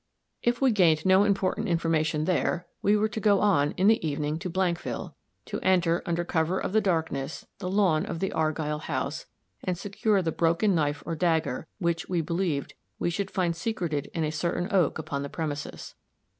If we gained no important information there, we were to go on, in the evening, to Blankville, to enter, under cover of the darkness, the lawn of the Argyll house, and secure the broken knife or dagger, which, we believed, we should find secreted in a certain oak upon the premises.